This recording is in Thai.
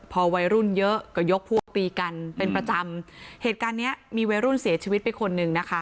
พอวัยรุ่นเยอะก็ยกพวกตีกันเป็นประจำเหตุการณ์เนี้ยมีวัยรุ่นเสียชีวิตไปคนหนึ่งนะคะ